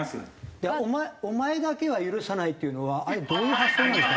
でお前「お前だけは許さない」っていうのはあれどういう発想なんですか？